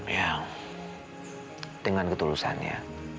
ya dengan ketulusannya